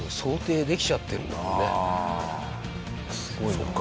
そっか。